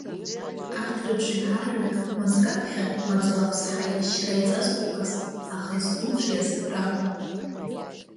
Арҭ рыбжеиҳараҩык мызк аԥхьа маӡала аԥсҳа ишьра еиҵазҟәаҟәаз, аха изқәымҿиаз ракәын.